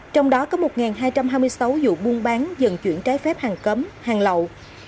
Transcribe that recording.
trong đó có một hai trăm hai mươi sáu vụ buôn bán dần chuyển trái phép hàng cấm hàng lậu